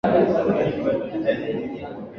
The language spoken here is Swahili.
ni hali ya mwili kujizoesha na dawa ya kulevya